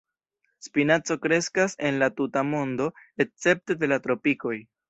Spinaco kreskas en la tuta mondo escepte de la tropikoj.